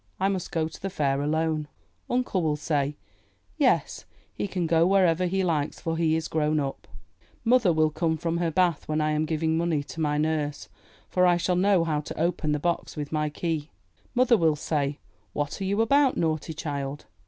I must go to the fair alone/* Uncle will say, ''Yes, he can go wherever he likes, for he is grown up/* Mother will come from her bath when I am giving money to my nurse, for I shall know how to open the box with my key. Mother will say, ''What are you about, naughty child?"